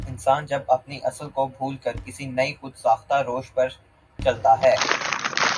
انسان جب اپنی اصل کو بھول کر کسی نئی خو د ساختہ روش پرچلتا ہے